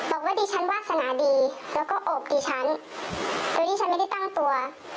บอกว่าดิฉันวาสนาดีแล้วก็ออกดิฉันโดยที่ฉันไม่ได้ตั้งตัว